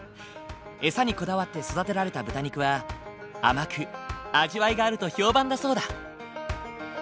餌にこだわって育てられた豚肉は甘く味わいがあると評判だそうだ。